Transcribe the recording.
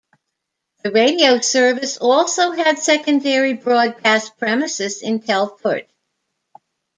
The radio service also had secondary broadcast premises in Telford.